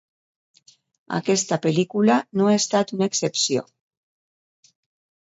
Aquesta pel·lícula no ha estat una excepció.